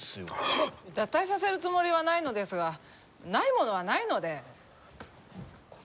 ハッ！脱退させるつもりはないのですがないものはないので。